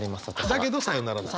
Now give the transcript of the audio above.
だけど「さようなら」なんだ？